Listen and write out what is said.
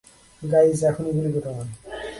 Guys, এখন গুলি কোরো না।